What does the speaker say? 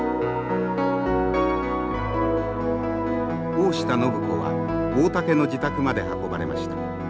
大下靖子は大竹の自宅まで運ばれました。